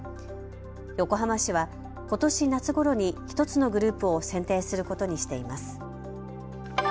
横浜市はことし夏ごろに１つのグループを選定することにしています。